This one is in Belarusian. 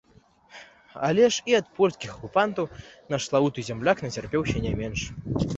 Але ж і ад польскіх акупантаў наш славуты зямляк нацярпеўся не менш.